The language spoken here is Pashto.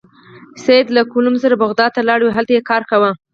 سید له کلوم سره بغداد ته لاړ او هلته یې کار کاوه.